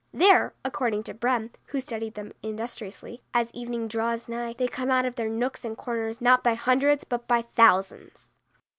There, according to Brehm, who studied them industriously, as evening draws nigh they come out of their nooks and corners not by hundreds but by thousands.